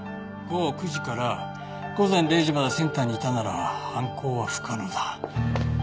午後９時から午前０時までセンターにいたなら犯行は不可能だ。